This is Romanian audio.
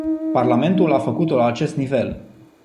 Parlamentul a făcut-o la acest nivel.